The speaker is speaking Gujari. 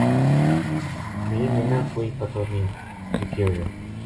بھی منا کوئی پتو نیہہ جے کے ہویو